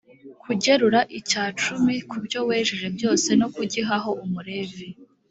kugerura icya cumi ku byo wejeje byose no kugihaho umulevi,